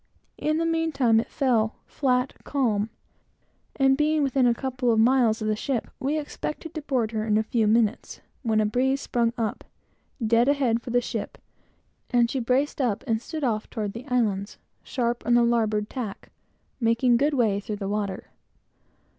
In the meantime, it fell flat calm, and being within a couple of miles of the ship, we expected to board her in a few moments, when a sudden breeze sprung up, dead ahead for the ship, and she braced up and stood off toward the islands, sharp on the larboard tack, making good way through the water.